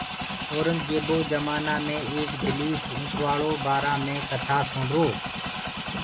اورنٚگجيبو جمآنآ مي ايڪ دليٚڦ اوٽواݪو بآرآ مي ڪٿا سُڻو